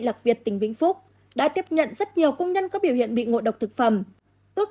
lạc việt tỉnh vĩnh phúc đã tiếp nhận rất nhiều công nhân có biểu hiện bị ngộ độc thực phẩm ước